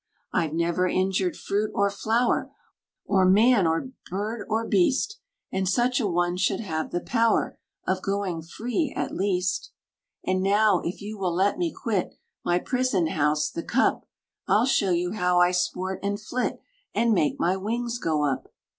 "I've never injured fruit, or flower, Or man, or bird, or beast; And such a one should have the power Of going free, at least. "And now, if you will let me quit My prison house, the cup, I'll show you how I sport and flit, And make my wings go up!"